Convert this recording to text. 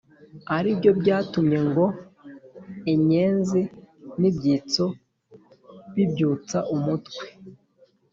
aribyo byatumye ngo “inyenzi n’ibyitso” bibyutsa umutwe.